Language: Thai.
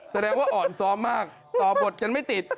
แสดงว่าอ่อนซ้อมมากต่อบทกันไม่ติด